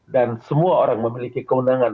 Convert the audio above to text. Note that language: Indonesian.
dan semua orang memiliki keundangan